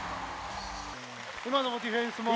今のディフェンスも？